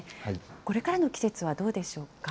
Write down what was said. これからの季節はどうでしょうか？